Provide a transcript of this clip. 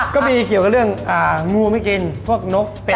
ก็มีเกี่ยวกับเรื่องงูไม่กินพวกนกเป็ด